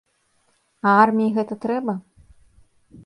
А арміі гэта трэба?